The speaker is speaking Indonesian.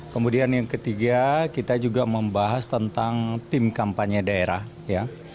kemudian yang ketiga kita juga membahas tentang tim kampanye daerah ya